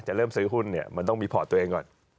เริ่มซื้อหุ้นเนี่ยมันต้องมีพอร์ตตัวเองก่อน